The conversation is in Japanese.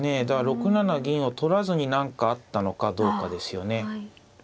だから６七銀を取らずに何かあったのかどうかですよね。